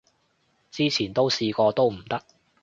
之前都試過都唔得